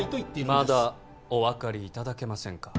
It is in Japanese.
まだお分かりいただけませんか？